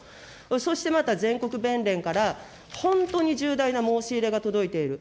そしてまた、全国弁連から本当に重大な申し入れが届いている。